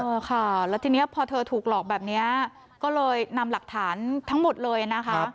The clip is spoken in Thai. ค่ะแล้วทีนี้พอเธอถูกหลอกแบบนี้ก็เลยนำหลักฐานทั้งหมดเลยนะคะ